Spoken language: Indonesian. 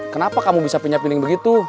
kenapa kamu bisa pinja piling begitu